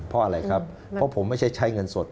เพราะอะไรครับเพราะผมไม่ใช่ใช้เงินสด